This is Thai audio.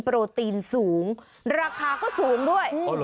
โปรตีนสูงราคาก็สูงด้วย